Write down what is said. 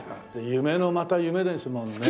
夢のまた夢ですもんね。